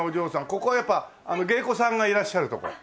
ここはやっぱ芸子さんがいらっしゃるとこ？